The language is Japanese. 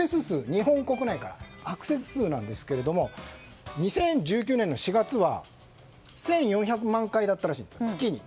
日本国内からですけれども２０１９年の４月は１４００万回だったらしいんです月に。